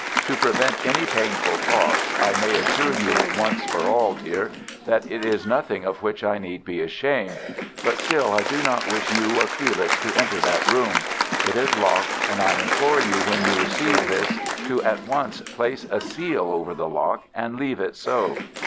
To prevent any painful thoughts, I may assure you once for all, dear, that it is nothing of which I need be ashamed. But still I do not wish you or Felix to enter that room. It is locked, and I implore you when you receive this to at once place a seal over the lock, and leave it so.